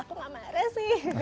aku gak marah sih